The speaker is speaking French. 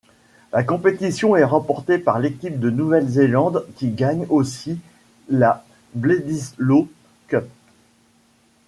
La compétition est remportée par l'équipe de Nouvelle-Zélande qui gagne aussi la Bledisloe Cup.